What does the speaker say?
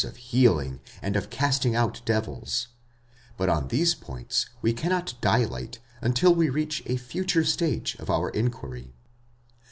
325 of healing and of casting out devils; but on these points we cannot dilate until we reach a future stage of our inquiry.)